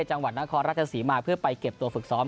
จังหวัดนครราชสีมาเพื่อไปเก็บตัวฝึกซ้อม